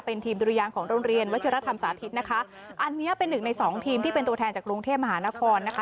เป็นทีมดุรยางของโรงเรียนวัชิรธรรมสาธิตนะคะอันเนี้ยเป็นหนึ่งในสองทีมที่เป็นตัวแทนจากกรุงเทพมหานครนะคะ